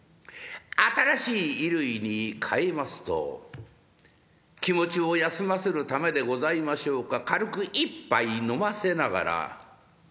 新しい衣類に替えますと気持ちを休ませるためでございましょうか軽く一杯飲ませながら。